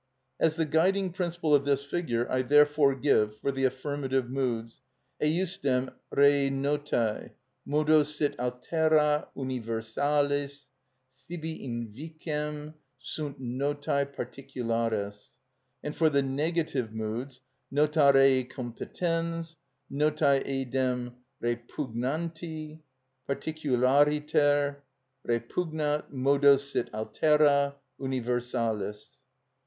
As the guiding principle of this figure I therefore give: for the affirmative moods: Ejusdem rei notœ, modo sit altera universalis, sibi invicem sunt notœ particulares; and for the negative moods: Nota rei competens, notœ eidem repugnanti, particulariter repugnat, modo sit altera universalis.